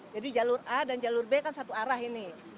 jalur a dan jalur b kan satu arah ini